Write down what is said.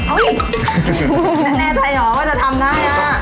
แน่ใจเหรอว่าจะทำได้